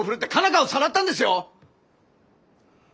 花をさらったんですよ！